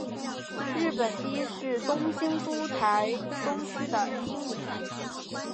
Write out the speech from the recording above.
日本堤是东京都台东区的町名。